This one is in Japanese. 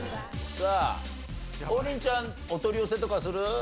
さあ王林ちゃんお取り寄せとかする？